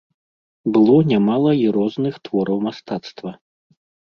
Было нямала і розных твораў мастацтва.